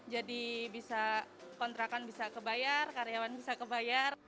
jadi bisa kontrakan bisa kebayar karyawan bisa kebayar